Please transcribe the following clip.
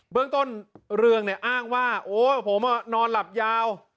เรื่องต้นเรืองเนี่ยอ้างว่าโอ้ผมนอนหลับยาว